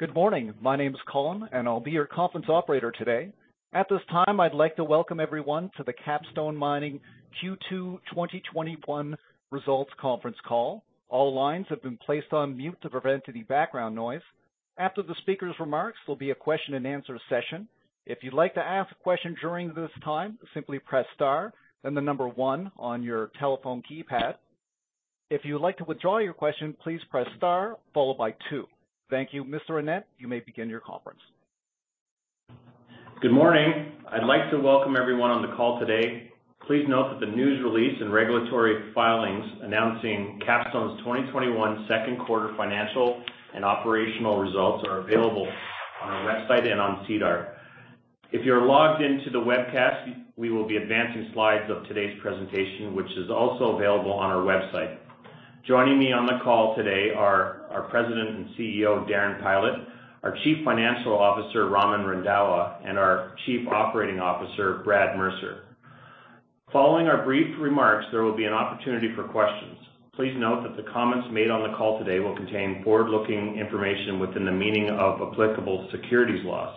Good morning. My name is Colin, and I'll be your conference operator today. At this time, I'd like to Welcome everyone to the Capstone Copper Q2 2021 results conference call. All lines have been placed on mute to prevent any background noise. After the speakers' remarks, there'll be a question and answer session. If you'd like to ask a question during this time, simply press star, then the number one on your telephone keypad. If you would like to withdraw your question, please press star followed by two. Thank you. Mr. Annett, you may begin your conference. Good morning. I'd like to welcome everyone on the call today. Please note that the news release and regulatory filings announcing Capstone's 2021 second quarter financial and operational results are available on our website and on SEDAR. If you're logged in to the webcast, we will be advancing slides of today's presentation, which is also available on our website. Joining me on the call today are our President and CEO, Darren Pylot, our Chief Financial Officer, Raman Randhawa, and our Chief Operating Officer, Brad Mercer. Following our brief remarks, there will be an opportunity for questions. Please note that the comments made on the call today will contain forward-looking information within the meaning of applicable securities laws.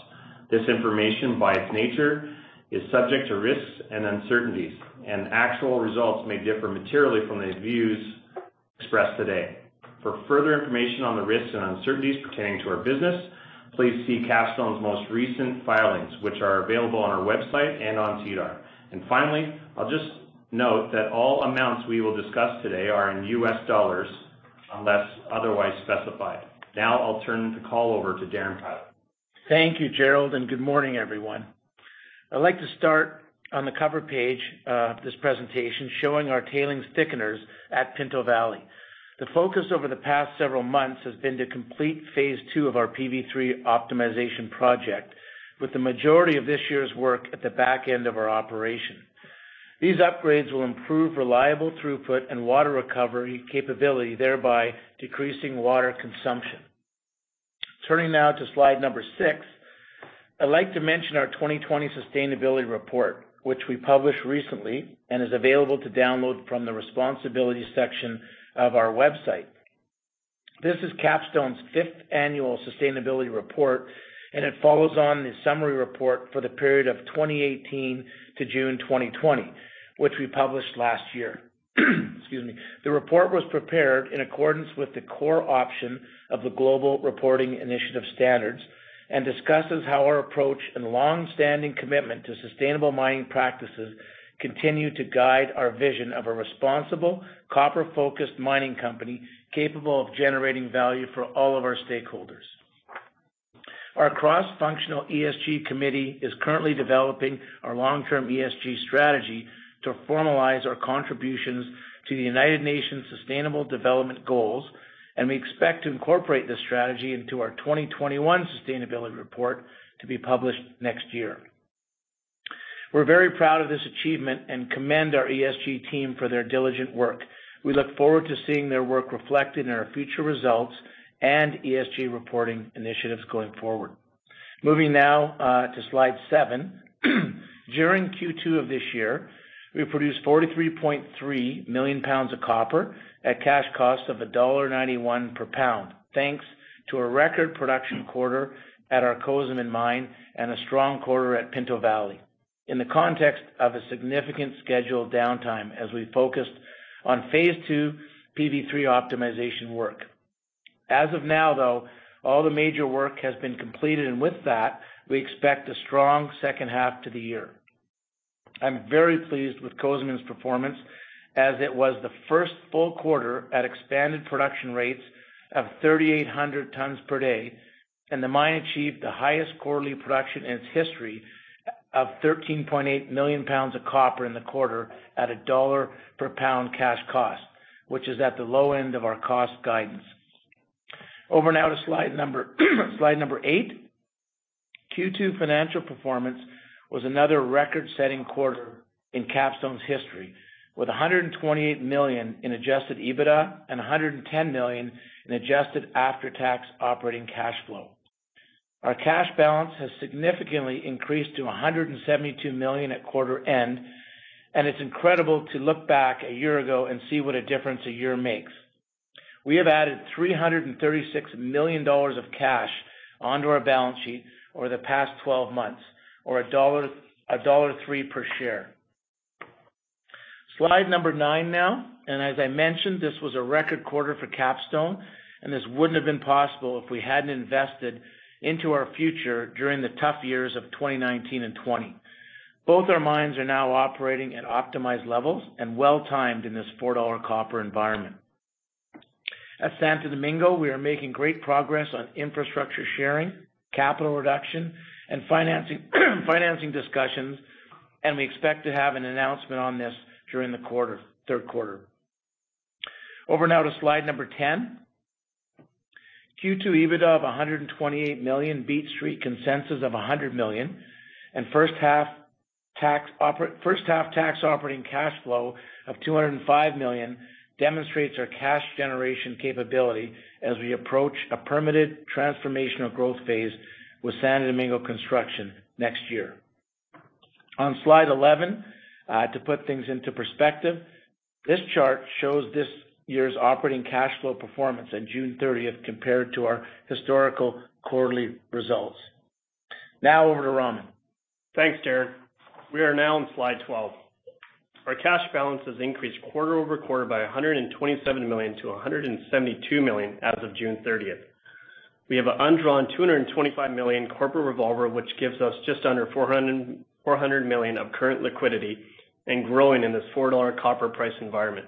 This information, by its nature, is subject to risks and uncertainties, and actual results may differ materially from the views expressed today. For further information on the risks and uncertainties pertaining to our business, please see Capstone's most recent filings, which are available on our website and on SEDAR. Finally, I'll just note that all amounts we will discuss today are in US dollars unless otherwise specified. Now I'll turn the call over to Darren Pylot. Thank you, Jerrold. Good morning, everyone. I'd like to start on the cover page of this presentation, showing our tailings thickeners at Pinto Valley. The focus over the past several months has been to complete phase ll of our PV3 optimization project, with the majority of this year's work at the back end of our operation. These upgrades will improve reliable throughput and water recovery capability, thereby decreasing water consumption. Turning now to slide number six, I'd like to mention our 2020 sustainability report, which we published recently and is available to download from the responsibility section of our website. This is Capstone's fifth annual sustainability report. It follows on the summary report for the period of 2018 to June 2020, which we published last year. Excuse me. The report was prepared in accordance with the core option of the Global Reporting Initiative Standards and discusses how our approach and longstanding commitment to sustainable mining practices continue to guide our vision of a responsible, copper-focused mining company capable of generating value for all of our stakeholders. Our cross-functional ESG committee is currently developing our long-term ESG strategy to formalize our contributions to the United Nations Sustainable Development Goals, and we expect to incorporate this strategy into our 2021 sustainability report to be published next year. We're very proud of this achievement and commend our ESG team for their diligent work. We look forward to seeing their work reflected in our future results and ESG reporting initiatives going forward. Moving now to slide seven. During Q2 of this year, we produced 43.3 million pounds of copper at cash cost of $1.91 per pound, thanks to a record production quarter at our Cozamin mine and a strong quarter at Pinto Valley. In the context of a significant scheduled downtime as we focused on phase ll PV3 optimization work. As of now, though, all the major work has been completed. With that, we expect a strong second half to the year. I'm very pleased with Cozamin's performance as it was the first full quarter at expanded production rates of 3,800 tons per day. The mine achieved the highest quarterly production in its history of 13.8 million pounds of copper in the quarter at a $1 per pound cash cost, which is at the low end of our cost guidance. Over now to slide number eight. Q2 financial performance was another record-setting quarter in Capstone's history, with $128 million in adjusted EBITDA and $110 million in adjusted after-tax operating cash flow. Our cash balance has significantly increased to $172 million at quarter end. It's incredible to look back a year ago and see what a difference a year makes. We have added $336 million of cash onto our balance sheet over the past 12 months or $1.03 per share. Slide number nine now. As I mentioned, this was a record quarter for Capstone. This wouldn't have been possible if we hadn't invested into our future during the tough years of 2019 and 2020. Both our mines are now operating at optimized levels and well-timed in this $4 copper environment. At Santo Domingo, we are making great progress on infrastructure sharing, capital reduction, and financing discussions. We expect to have an announcement on this during the third quarter. Over now to slide number 10. Q2 EBITDA of $128 million beat Street consensus of $100 million. First half tax operating cash flow of $205 million demonstrates our cash generation capability as we approach a permitted transformational growth phase with Santo Domingo construction next year. On slide 11, to put things into perspective, this chart shows this year's operating cash flow performance at June 30th, compared to our historical quarterly results. Now over to Raman. Thanks, Darren. We are now on slide 12. Our cash balance has increased quarter-over-quarter by $127 million-$172 million as of June 30th. We have an undrawn $225 million corporate revolver, which gives us just under $400 million of current liquidity and growing in this $4 copper price environment.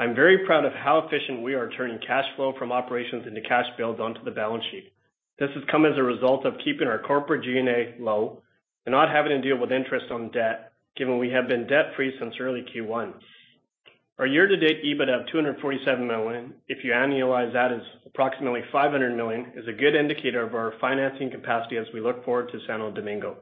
I'm very proud of how efficient we are turning cash flow from operations into cash builds onto the balance sheet. This has come as a result of keeping our corporate G&A low and not having to deal with interest on debt, given we have been debt-free since early Q1. Our year-to-date EBITDA of $247 million, if you annualize that as approximately $500 million, is a good indicator of our financing capacity as we look forward to Santo Domingo.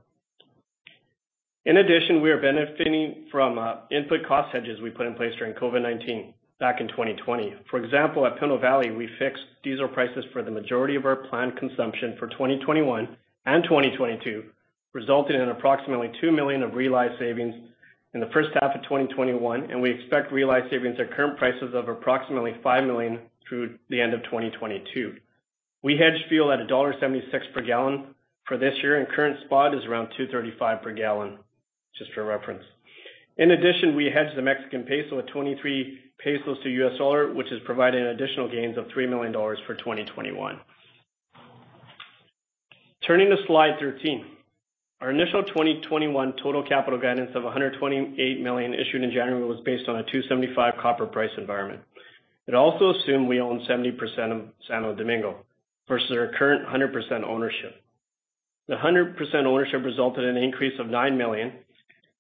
In addition, we are benefiting from input cost hedges we put in place during COVID-19 back in 2020. For example, at Pinto Valley, we fixed diesel prices for the majority of our planned consumption for 2021 and 2022, resulting in approximately $2 million of realized savings in the first half of 2021, and we expect realized savings at current prices of approximately $5 million through the end of 2022. We hedged fuel at $1.76 per gallon for this year, and current spot is around $2.35 per gallon, just for reference. In addition, we hedged the Mexican peso at 23 pesos to US dollar, which has provided additional gains of $3 million for 2021. Turning to slide 13. Our initial 2021 total capital guidance of $128 million issued in January was based on a $2.75 copper price environment. It also assumed we own 70% of Santo Domingo versus our current 100% ownership. The 100% ownership resulted in an increase of $9 million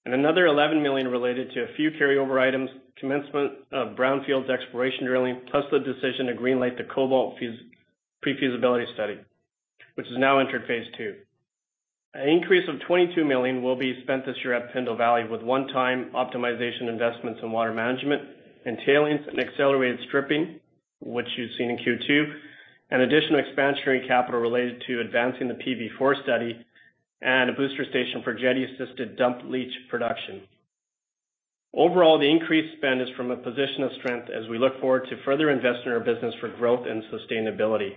and another $11 million related to a few carryover items, commencement of brownfield exploration drilling, plus the decision to green light the cobalt pre-feasibility study, which has now entered phase ll. An increase of $22 million will be spent this year at Pinto Valley with one-time optimization investments in water management and tailings and accelerated stripping, which you've seen in Q2, and additional expansion capital related to advancing the PV4 study and a booster station for Jetti-assisted dump leach production. Overall, the increased spend is from a position of strength as we look forward to further investing in our business for growth and sustainability.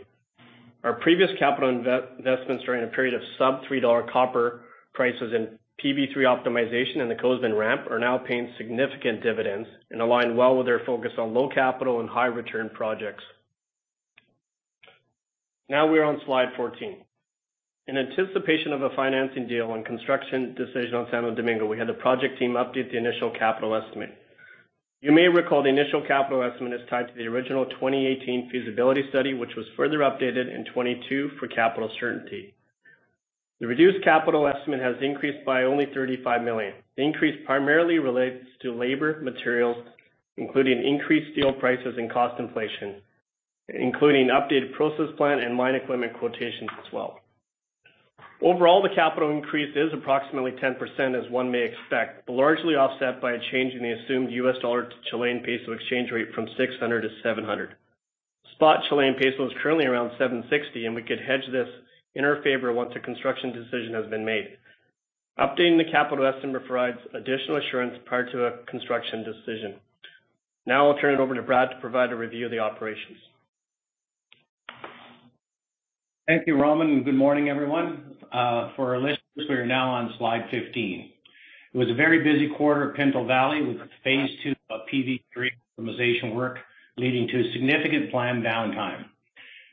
Our previous capital investments during a period of sub-$3 copper prices and PV3 optimization and the Cozamin ramp are now paying significant dividends and align well with our focus on low capital and high return projects. Now we are on slide 14. In anticipation of a financing deal and construction decision on Santo Domingo, we had the project team update the initial capital estimate. You may recall the initial capital estimate is tied to the original 2018 feasibility study, which was further updated in 2022 for capital certainty. The reduced capital estimate has increased by only $35 million. The increase primarily relates to labor, materials, including increased steel prices and cost inflation, including an updated process plan and mine equipment quotations as well. Overall, the capital increase is approximately 10%, as one may expect, but largely offset by a change in the assumed US dollar to Chilean peso exchange rate from 600-700. Spot Chilean peso is currently around 760, and we could hedge this in our favor once a construction decision has been made. Updating the capital estimate provides additional assurance prior to a construction decision. I'll turn it over to Brad to provide a review of the operations. Thank you, Raman. Good morning, everyone. For our listeners, we are now on slide 15. It was a very busy quarter at Pinto Valley with phase ll of PV3 optimization work leading to significant planned downtime.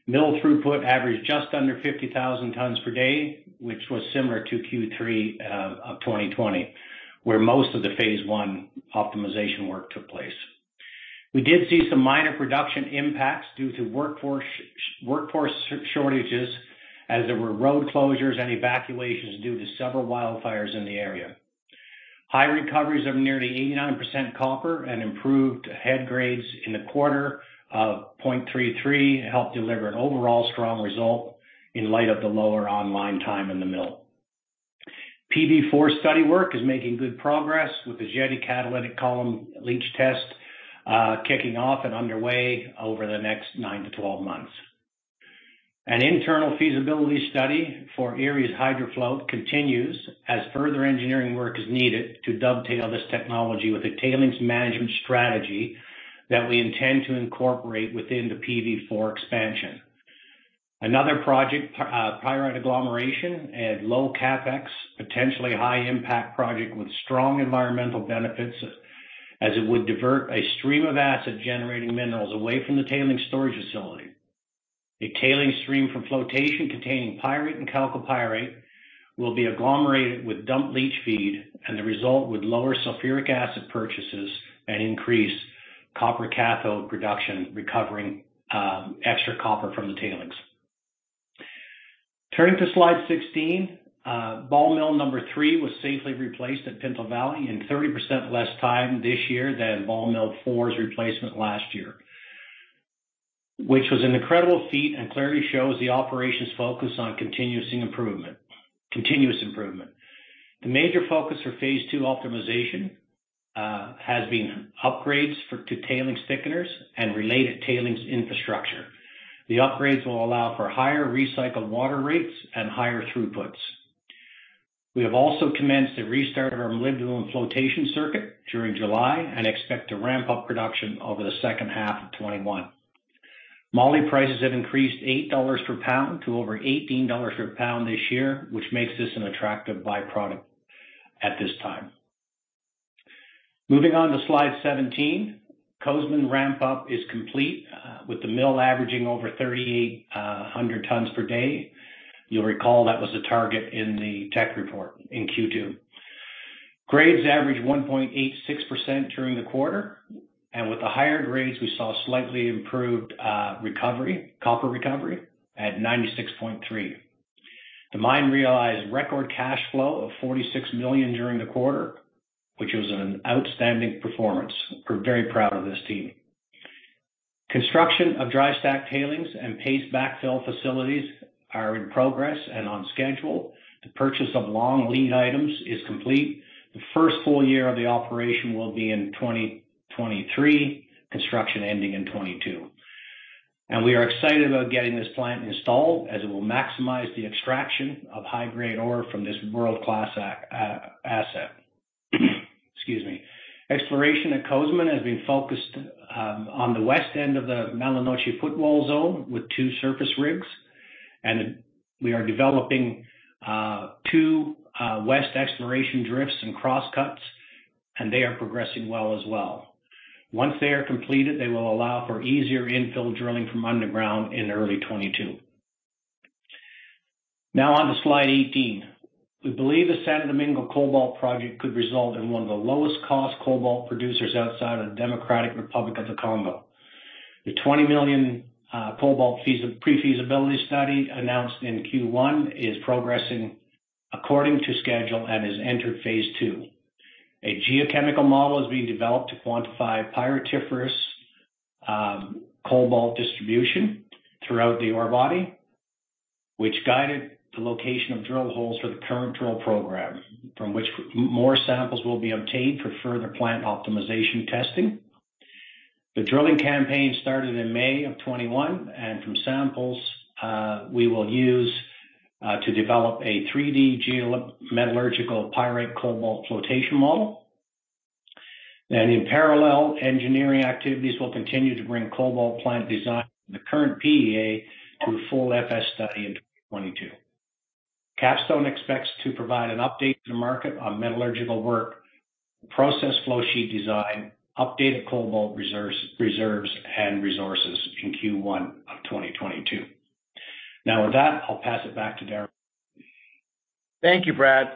Mill throughput averaged just under 50,000 tons per day, which was similar to Q3 of 2020, where most of the phase l optimization work took place. We did see some minor production impacts due to workforce shortages as there were road closures and evacuations due to several wildfires in the area. High recoveries of nearly 89% copper and improved head grades in the quarter of 0.33 helped deliver an overall strong result in light of the lower online time in the mill. PV4 study work is making good progress with the Jetti catalytic column leach test kicking off and underway over the next 9 to 12 months. An internal feasibility study for Eriez HydroFloat continues as further engineering work is needed to dovetail this technology with a tailings management strategy that we intend to incorporate within the PV4 expansion. Another project, pyrite agglomeration, a low CapEx, potentially high impact project with strong environmental benefits as it would divert a stream of acid-generating minerals away from the tailings storage facility. A tailings stream from flotation containing pyrite and chalcopyrite will be agglomerated with dump leach feed, and the result would lower sulfuric acid purchases and increase copper cathode production, recovering extra copper from the tailings. Turning to slide 16. Ball mill number three was safely replaced at Pinto Valley in 30% less time this year than ball mill four's replacement last year, which was an incredible feat and clearly shows the operations' focus on continuous improvement. The major focus for phase ll optimization has been upgrades to tailings thickeners and related tailings infrastructure. The upgrades will allow for higher recycled water rates and higher throughputs. We have also commenced the restart of our molybdenum flotation circuit during July and expect to ramp up production over the second half of 2021. Moly prices have increased $8 per pound to over $18 per pound this year, which makes this an attractive byproduct at this time. Moving on to slide 17. Cozamin ramp-up is complete with the mill averaging over 3,800 tons per day. You'll recall that was the target in the tech report in Q2. Grades averaged 1.86% during the quarter, and with the higher grades, we saw slightly improved copper recovery at 96.3%. The mine realized record cash flow of $46 million during the quarter, which was an outstanding performance. We're very proud of this team. Construction of dry stack tailings and paste backfill facilities are in progress and on schedule. The purchase of long lead items is complete. The first full year of the operation will be in 2023, construction ending in 2022. We are excited about getting this plant installed as it will maximize the extraction of high-grade ore from this world-class asset. Excuse me. Exploration at Cozamin has been focused on the west end of the Mala Noche Footwall Zone with two surface rigs, and we are developing two west exploration drifts and crosscuts, and they are progressing well as well. Once they are completed, they will allow for easier infill drilling from underground in early 2022. Now on to slide 18. We believe the Santo Domingo Cobalt Project could result in one of the lowest cost cobalt producers outside of the Democratic Republic of the Congo. The $20 million cobalt pre-feasibility study announced in Q1 is progressing according to schedule and has entered phase II. A geochemical model is being developed to quantify pyritiferous cobalt distribution throughout the ore body, which guided the location of drill holes for the current drill program, from which more samples will be obtained for further plant optimization testing. The drilling campaign started in May of 2021, from samples we will use to develop a 3D geometallurgical pyrite cobalt flotation model. In parallel, engineering activities will continue to bring cobalt plant design from the current PEA to a full FS study in 2022. Capstone expects to provide an update to the market on metallurgical work, process flow sheet design, updated cobalt reserves and resources in Q1 of 2022. With that, I'll pass it back to Darren. Thank you, Brad.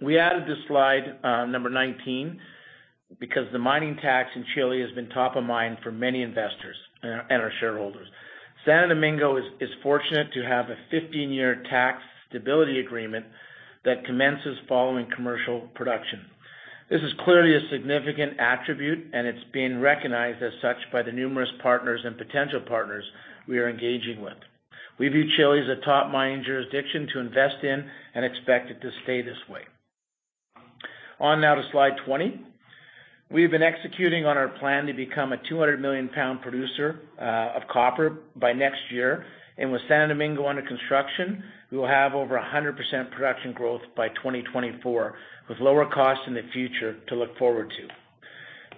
We added this slide, number 19, because the mining tax in Chile has been top of mind for many investors and our shareholders. Santo Domingo is fortunate to have a 15-year tax stability agreement that commences following commercial production. This is clearly a significant attribute, and it's being recognized as such by the numerous partners and potential partners we are engaging with. We view Chile as a top mining jurisdiction to invest in and expect it to stay this way. On now to slide 20. We've been executing on our plan to become a 200 million pound producer of copper by next year. With Santo Domingo under construction, we will have over 100% production growth by 2024, with lower costs in the future to look forward to.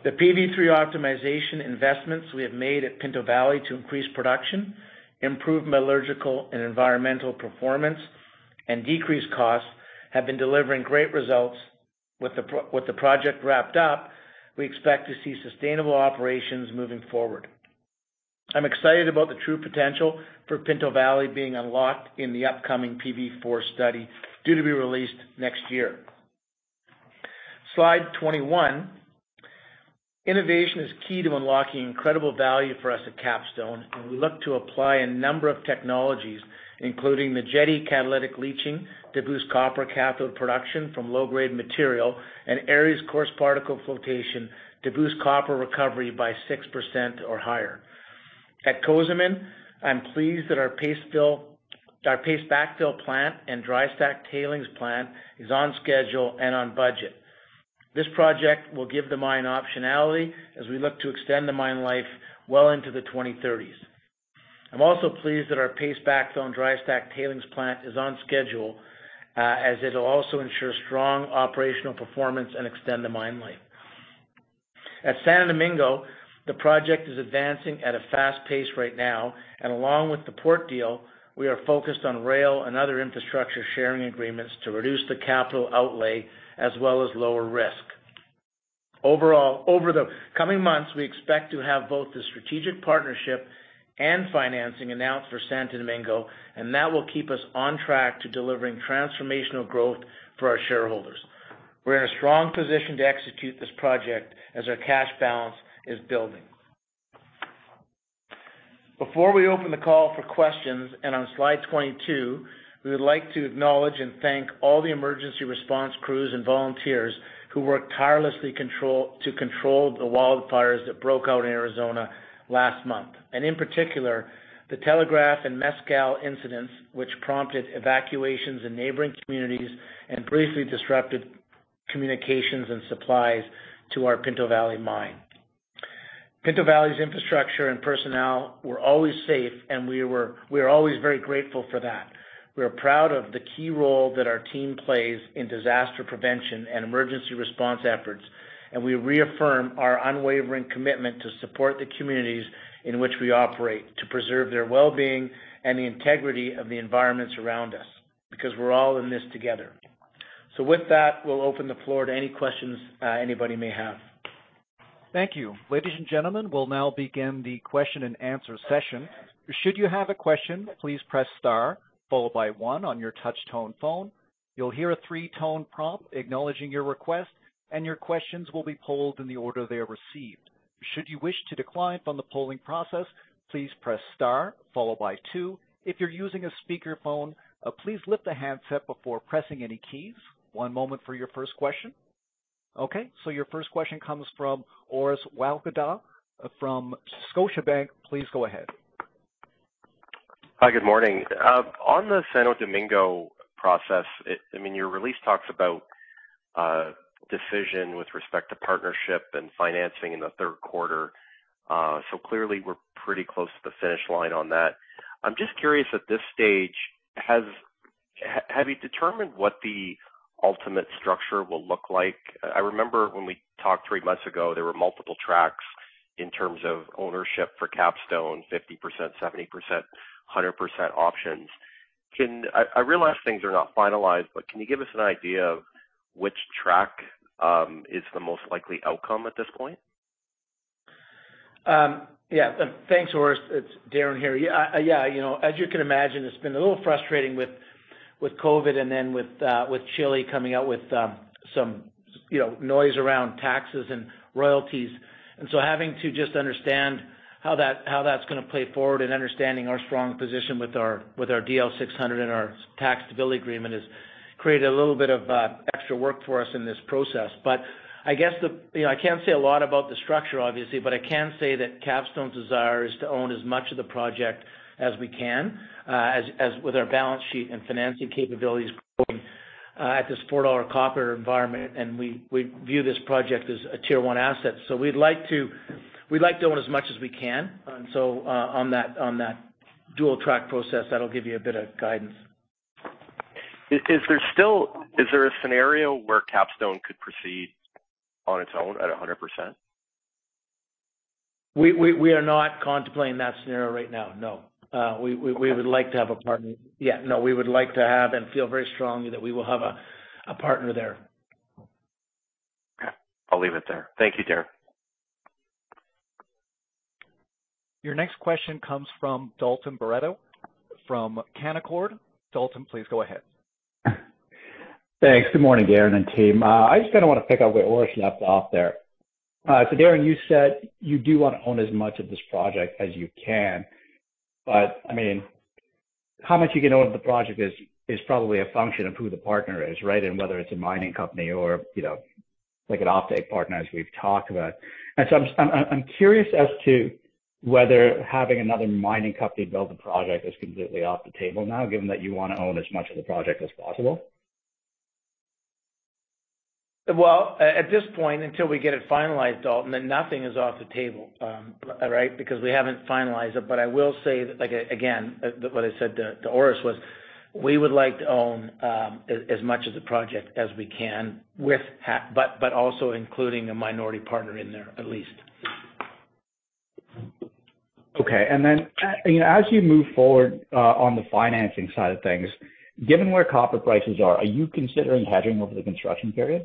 The PV3 optimization investments we have made at Pinto Valley to increase production, improve metallurgical and environmental performance, and decrease costs have been delivering great results. With the project wrapped up, we expect to see sustainable operations moving forward. I'm excited about the true potential for Pinto Valley being unlocked in the upcoming PV4 study, due to be released next year. Slide 21. Innovation is key to unlocking incredible value for us at Capstone, and we look to apply a number of technologies, including the Jetti catalytic leaching to boost copper cathode production from low-grade material and Eriez coarse particle flotation to boost copper recovery by 6% or higher. At Cozamin, I'm pleased that our paste backfill plant and dry stack tailings plant is on schedule and on budget. This project will give the mine optionality as we look to extend the mine life well into the 2030s. I'm also pleased that our paste backfill and dry stack tailings plant is on schedule, as it'll also ensure strong operational performance and extend the mine life. At Santo Domingo, the project is advancing at a fast pace right now, and along with the port deal, we are focused on rail and other infrastructure sharing agreements to reduce the capital outlay as well as lower risk. Over the coming months, we expect to have both the strategic partnership and financing announced for Santo Domingo, and that will keep us on track to delivering transformational growth for our shareholders. We're in a strong position to execute this project as our cash balance is building. Before we open the call for questions, on slide 22, we would like to acknowledge and thank all the emergency response crews and volunteers who worked tirelessly to control the wildfires that broke out in Arizona last month. In particular, the Telegraph and Mescal incidents, which prompted evacuations in neighboring communities and briefly disrupted communications and supplies to our Pinto Valley mine. Pinto Valley's infrastructure and personnel were always safe, and we are always very grateful for that. We are proud of the key role that our team plays in disaster prevention and emergency response efforts, and we reaffirm our unwavering commitment to support the communities in which we operate, to preserve their wellbeing and the integrity of the environments around us, because we're all in this together. With that, we'll open the floor to any questions anybody may have. Thank you. Ladies and gentlemen, we'll now begin the question and answer session. Your first question comes from Orest Wowkodaw from Scotiabank. Please go ahead. Hi, good morning. On the Santo Domingo process, your release talks about decision with respect to partnership and financing in the third quarter. Clearly we're pretty close to the finish line on that. I'm just curious, at this stage, have you determined what the ultimate structure will look like? I remember when we talked three months ago, there were multiple tracks in terms of ownership for Capstone, 50%, 70%, 100% options. I realize things are not finalized, but can you give us an idea of which track is the most likely outcome at this point? Thanks, Orest. It's Darren here. Yeah. As you can imagine, it's been a little frustrating with COVID-19 and then with Chile coming out with some noise around taxes and royalties. Having to just understand how that's going to play forward and understanding our strong position with our DL 600 and our tax stability agreement has created a little bit of extra work for us in this process. I can't say a lot about the structure, obviously, but I can say that Capstone's desire is to own as much of the project as we can, as with our balance sheet and financing capabilities going at this $4 copper environment, and we view this project as a tier one asset. We'd like to own as much as we can. On that dual track process, that'll give you a bit of guidance. Is there a scenario where Capstone could proceed on its own at 100%? We are not contemplating that scenario right now, no. Okay. We would like to have a partner. Yeah, no, we would like to have, and feel very strongly that we will have a partner there. Okay. I'll leave it there. Thank you, Darren. Your next question comes from Dalton Baretto from Canaccord. Dalton, please go ahead. Thanks. Good morning, Darren and team. I just want to pick up where Orest left off there. Darren, you said you do want to own as much of this project as you can, but how much you can own of the project is probably a function of who the partner is, right? Whether it's a mining company or an offtake partner, as we've talked about. I'm curious as to whether having another mining company build the project is completely off the table now, given that you want to own as much of the project as possible. Well, at this point, until we get it finalized, Dalton, then nothing is off the table, right? We haven't finalized it. I will say that, again, what I said to Orest was, we would like to own as much of the project as we can, but also including a minority partner in there, at least. Okay. As you move forward on the financing side of things, given where copper prices are you considering hedging over the construction period?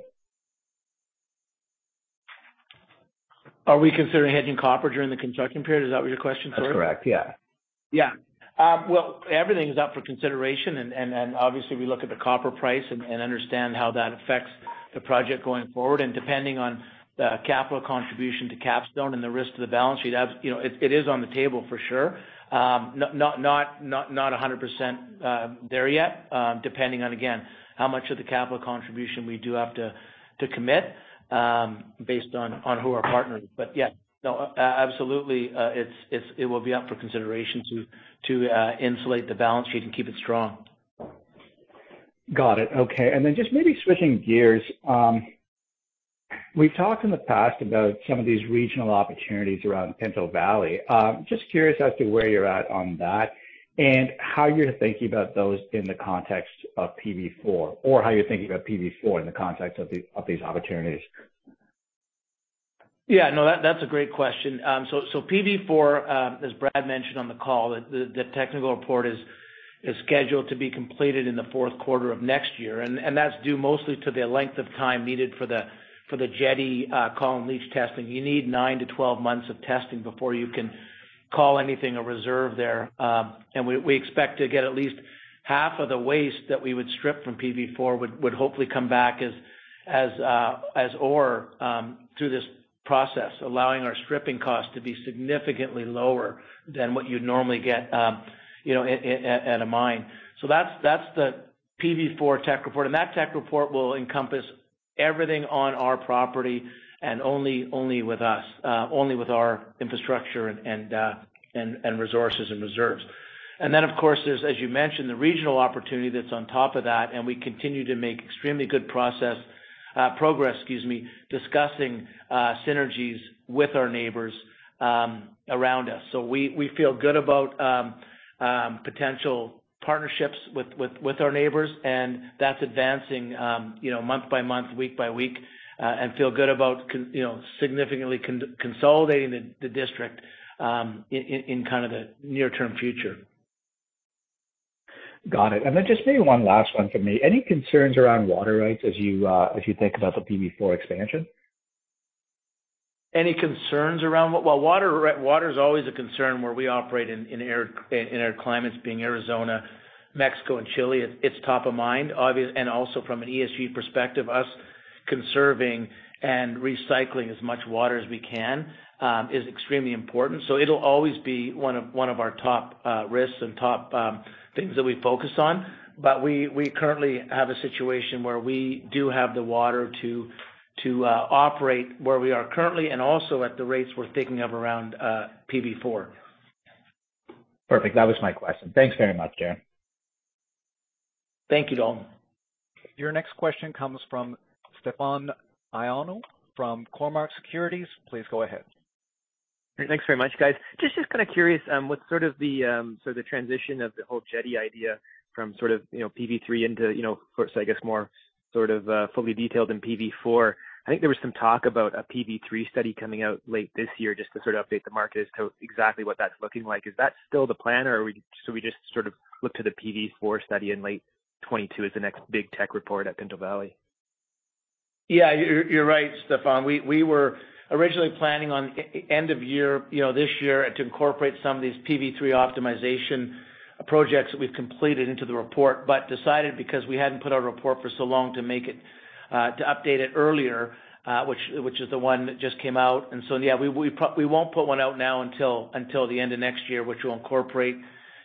Are we considering hedging copper during the construction period? Is that what your question is? That's correct, yeah. Yeah. Well, everything's up for consideration, and obviously we look at the copper price and understand how that affects the project going forward. Depending on the capital contribution to Capstone and the risk to the balance sheet, it is on the table for sure. Not 100% there yet. Depending on, again, how much of the capital contribution we do have to commit based on who our partner is. Yeah. No, absolutely, it will be up for consideration to insulate the balance sheet and keep it strong. Got it. Okay. Just maybe switching gears. We've talked in the past about some of these regional opportunities around Pinto Valley. Just curious as to where you're at on that and how you're thinking about those in the context of PV4, or how you're thinking about PV4 in the context of these opportunities? Yeah, no, that's a great question. PV4, as Brad mentioned on the call, the technical report is scheduled to be completed in the fourth quarter of next year, and that's due mostly to the length of time needed for the Jetti column leach testing. You need nine to 12 months of testing before you can call anything a reserve there. We expect to get at least half of the waste that we would strip from PV4 would hopefully come back as ore through this process, allowing our stripping cost to be significantly lower than what you'd normally get at a mine. That's the PV4 tech report, and that tech report will encompass everything on our property and only with us, only with our infrastructure and resources and reserves. Of course, there's, as you mentioned, the regional opportunity that's on top of that, and we continue to make extremely good progress, discussing synergies with our neighbors around us. We feel good about potential partnerships with our neighbors, and that's advancing month by month, week by week, and feel good about significantly consolidating the district in the near-term future. Got it. Just maybe one last one from me. Any concerns around water rights as you think about the PV4 expansion? Well, water's always a concern where we operate in our climates, being Arizona, Mexico, and Chile. It's top of mind, obviously, and also from an ESG perspective, us conserving and recycling as much water as we can is extremely important. It'll always be one of our top risks and top things that we focus on. We currently have a situation where we do have the water to operate where we are currently and also at the rates we're thinking of around PV4. Perfect. That was my question. Thanks very much, Darren. Thank you, Dalton. Your next question comes from Stefan Ioannou from Cormark Securities. Please go ahead. Great. Thanks very much, guys. Just curious, what's the transition of the whole Jetti idea from PV3 into, of course, I guess more fully detailed in PV4. I think there was some talk about a PV3 study coming out late this year just to update the market as to exactly what that's looking like. Is that still the plan, or should we just look to the PV4 study in late 2022 as the next big tech report at Pinto Valley? Yeah, you're right, Stefan. We were originally planning on end of year, this year to incorporate some of these PV3 optimization projects that we've completed into the report, but decided because we hadn't put out a report for so long, to update it earlier, which is the one that just came out. Yeah, we won't put one out now until the end of next year, which will incorporate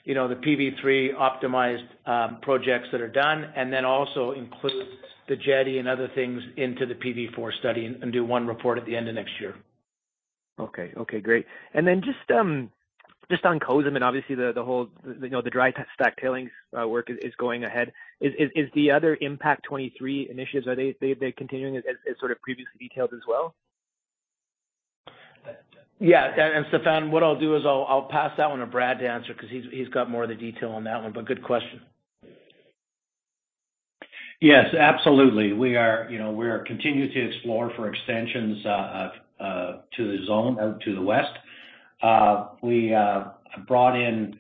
the PV3 optimized projects that are done and then also include the Jetti and other things into the PV4 study and do one report at the end of next year. Okay. Great. Just on Cozamin, and obviously the whole dry stack tailings work is going ahead. Is the other Impact 23 initiatives, are they continuing as previously detailed as well? Yeah. Stefan, what I'll do is I'll pass that one to Brad to answer because he's got more of the detail on that one. Good question. Yes, absolutely. We are continuing to explore for extensions to the zone, to the west. We brought in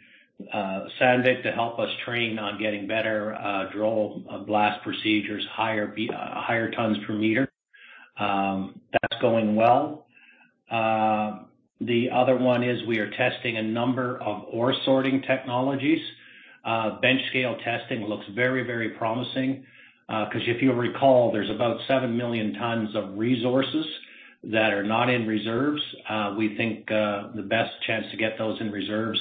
Sandvik to help us train on getting better drill blast procedures, higher tons per meter. That's going well. The other one is we are testing a number of ore sorting technologies. Bench scale testing looks very promising. If you'll recall, there's about 7 million tons of resources that are not in reserves. We think the best chance to get those in reserves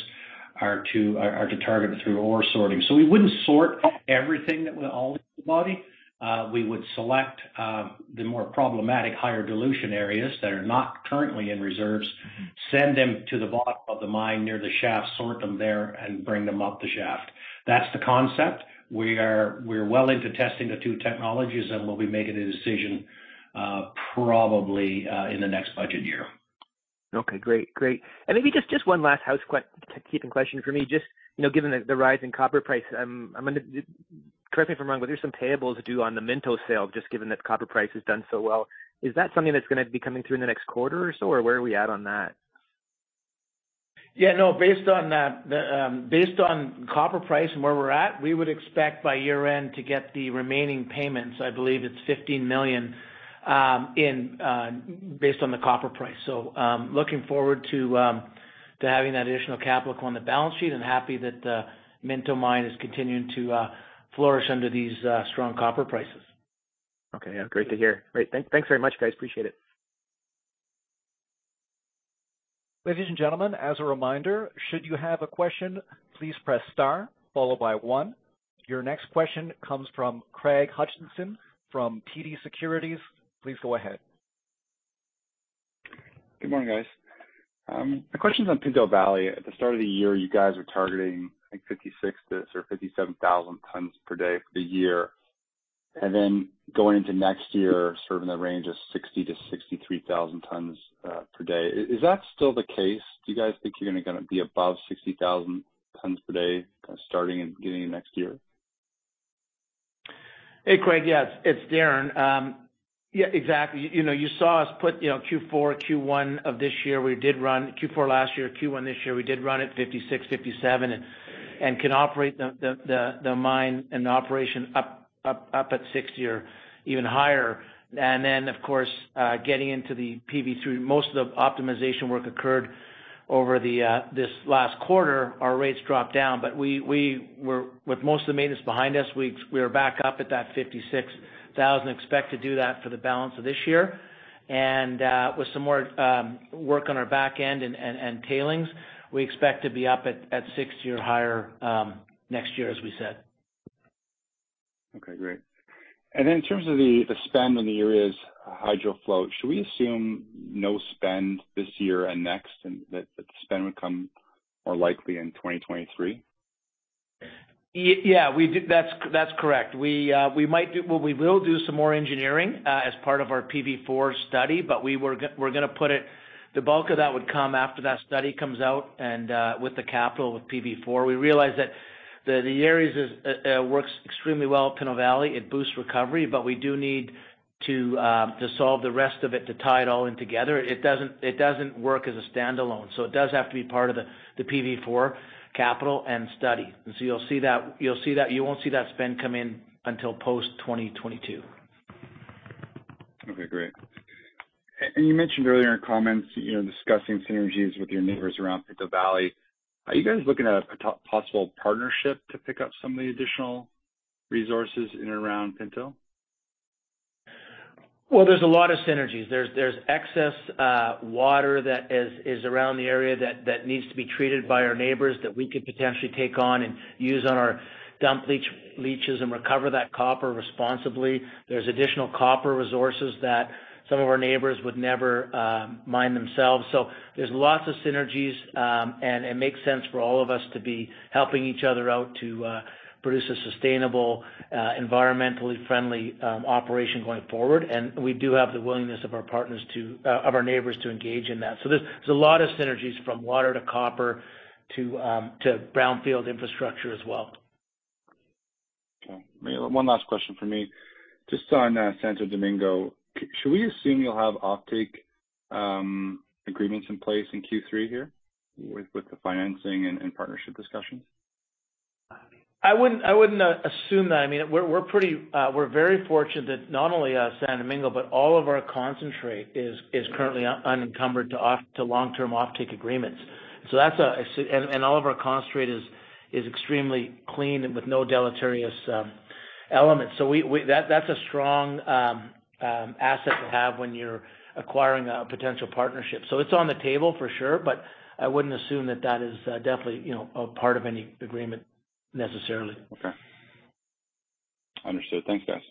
are to target through ore sorting. We wouldn't sort everything, all the body. We would select the more problematic, higher dilution areas that are not currently in reserves, send them to the bottom of the mine near the shaft, sort them there, and bring them up the shaft. That's the concept. We're well into testing the two technologies and we'll be making a decision probably in the next budget year. Okay, great. Maybe just one last housekeeping question for me. Just given the rise in copper price, correct me if I'm wrong, but there's some payables due on the Minto sale, just given that copper price has done so well. Is that something that's going to be coming through in the next quarter or so, or where are we at on that? Yeah. No, based on copper price and where we're at, we would expect by year end to get the remaining payments. I believe it's $15 million based on the copper price. Looking forward to having that additional capital on the balance sheet and happy that the Minto mine is continuing to flourish under these strong copper prices. Okay. Yeah, great to hear. Great. Thanks very much, guys. Appreciate it. Your next question comes from Craig Hutchison from TD Securities. Please go ahead. Good morning, guys. My question's on Pinto Valley. At the start of the year, you guys were targeting 56,000-57,000 tons per day for the year. Going into next year, serving the range of 60,000-63,000 tons per day. Is that still the case? Do you guys think you're going to be above 60,000 tons per day starting and getting next year? Hey, Craig. Yes, it's Darren. Yeah, exactly. You saw us put Q4, Q1 of this year, we did run Q4 last year, Q1 this year, we did run at 56,000, 57,000 and can operate the mine and the operation up at 60,000 or even higher. Then, of course, getting into the PV3, most of the optimization work occurred over this last quarter. Our rates dropped down, but with most of the maintenance behind us, we are back up at that 56,000. Expect to do that for the balance of this year. With some more work on our back end and tailings, we expect to be up at 60,000 or higher, next year, as we said. Okay, great. In terms of the spend on the Eriez HydroFloat, should we assume no spend this year and next, and that the spend would come more likely in 2023? Yeah, that's correct. We will do some more engineering as part of our PV4 study, but the bulk of that would come after that study comes out and with the capital with PV4. We realize that the Eriez works extremely well at Pinto Valley. It boosts recovery. We do need to solve the rest of it to tie it all in together. It doesn't work as a standalone, it does have to be part of the PV4 capital and study. You won't see that spend come in until post-2022. Okay, great. You mentioned earlier in comments discussing synergies with your neighbors around Pinto Valley. Are you guys looking at a possible partnership to pick up some of the additional resources in and around Pinto? There's a lot of synergies. There's excess water that is around the area that needs to be treated by our neighbors, that we could potentially take on and use on our dump leaches and recover that copper responsibly. There's additional copper resources that some of our neighbors would never mine themselves. There's lots of synergies, and it makes sense for all of us to be helping each other out to produce a sustainable, environmentally friendly operation going forward. We do have the willingness of our neighbors to engage in that. There's a lot of synergies from water to copper to brownfield infrastructure as well. One last question from me. Just on Santo Domingo, should we assume you'll have offtake agreements in place in Q3 here with the financing and partnership discussions? I wouldn't assume that. We're very fortunate that not only Santo Domingo, but all of our concentrate is currently unencumbered to long-term offtake agreements. All of our concentrate is extremely clean and with no deleterious elements. That's a strong asset to have when you're acquiring a potential partnership. It's on the table for sure, but I wouldn't assume that that is definitely a part of any agreement necessarily. Okay. Understood. Thanks, guys.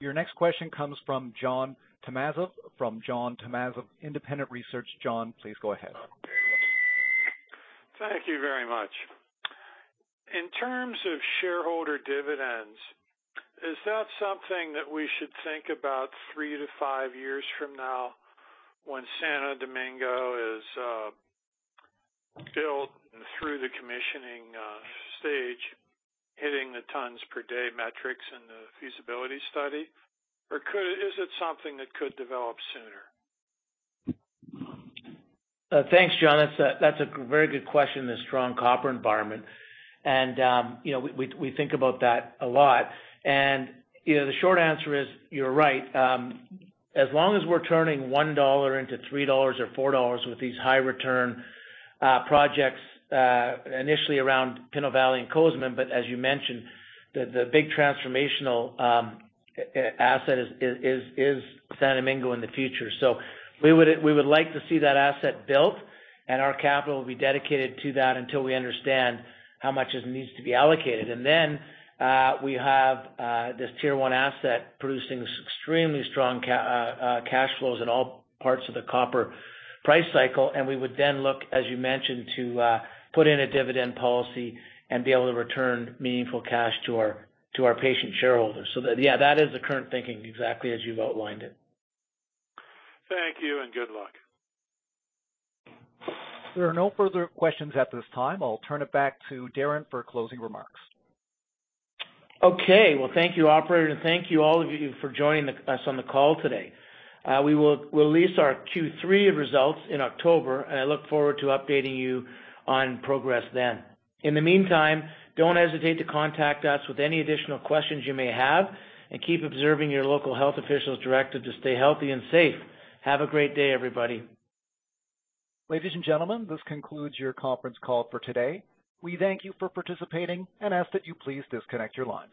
Your next question comes from John Tumazos from John Tumazos Independent Research. John, please go ahead. Thank you very much. In terms of shareholder dividends, is that something that we should think about three to five years from now when Santo Domingo is built through the commissioning stage, hitting the tons per day metrics in the feasibility study, or is it something that could develop sooner? Thanks, John. That's a very good question in this strong copper environment. We think about that a lot. The short answer is, you're right. As long as we're turning $1 into $3 or $4 with these high return projects, initially around Pinto Valley and Cozamin. As you mentioned, the big transformational asset is Santo Domingo in the future. We would like to see that asset built, and our capital will be dedicated to that until we understand how much it needs to be allocated. Then we have this tier one asset producing extremely strong cash flows in all parts of the copper price cycle. We would then look, as you mentioned, to put in a dividend policy and be able to return meaningful cash to our patient shareholders. That, yeah, that is the current thinking exactly as you've outlined it. Thank you, and good luck. There are no further questions at this time. I'll turn it back to Darren for closing remarks. Okay. Well, thank you, operator. Thank you all of you for joining us on the call today. We will release our Q3 results in October. I look forward to updating you on progress then. In the meantime, don't hesitate to contact us with any additional questions you may have. Keep observing your local health officials directive to stay healthy and safe. Have a great day, everybody. Ladies and gentlemen, this concludes your conference call for today. We thank you for participating and ask that you please disconnect your lines.